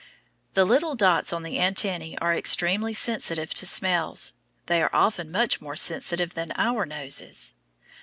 The little dots on the antennæ are extremely sensitive to smells. They are often much more sensitive than our noses.